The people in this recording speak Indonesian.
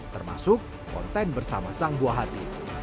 termasuk konten bersama sang buah hati